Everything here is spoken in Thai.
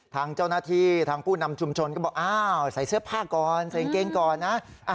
ทางเจ้าหน้าที่ทางผู้นำชุมชนก็บอกอ้าวใส่เสื้อผ้าก่อนใส่กางเกงก่อนนะ